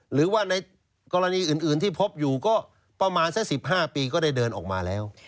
หรือว่าในกรณีอื่นที่พบอยู่ก็ประมาณสัก๑๕ปีก็ได้เดินออกมาแล้ว